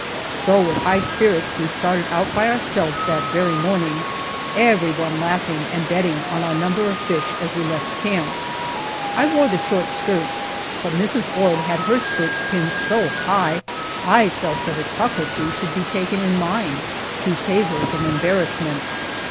So with high spirits we started out by ourselves that very morning, everyone laughing and betting on our number of fish as we left camp. I wore the short skirt, but Mrs. Ord had her skirts pinned so high I felt that a tuck or two should be taken in mine, to save her from embarrassment.